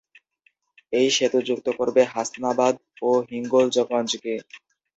এই সেতু যুক্ত করবে হাসনাবাদ ও হিঙ্গলগঞ্জকে।